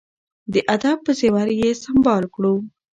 د ادب په زیور یې سمبال کړو.